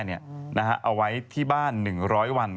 เอาไว้ที่บ้าน๑๐๐วัน